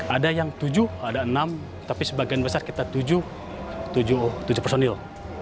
ada yang tujuh ada enam tapi sebagian besar kita tujuh personil